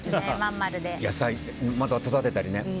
野菜育てたりね。